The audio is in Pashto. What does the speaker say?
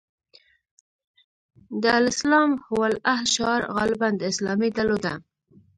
د الاسلام هو الحل شعار غالباً د اسلامي ډلو ده.